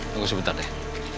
tunggu sebentar deh